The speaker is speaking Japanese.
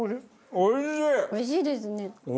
おいしいですね。